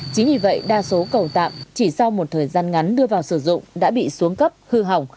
chính vì vậy đa số cầu tạm chỉ sau một thời gian ngắn đưa vào sử dụng đã bị xuống cấp hư hỏng